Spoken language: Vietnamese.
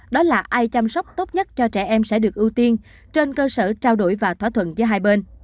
đó là ai chăm sóc tốt nhất cho trẻ em sẽ được ưu tiên trên cơ sở trao đổi và thỏa thuận giữa hai bên